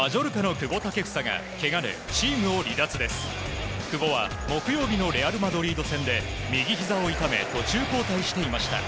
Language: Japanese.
久保は木曜日のレアル・マドリード戦で右ひざを痛め途中交代していました。